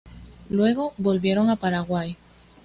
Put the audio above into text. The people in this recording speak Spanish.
Luego volvieron a Paraguay.